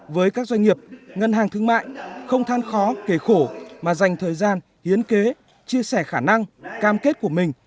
với các doanh nghiệp ngân hàng thương mại không than khó kể khổ mà dành thời gian hiến kế chia sẻ khả năng cam kết của mình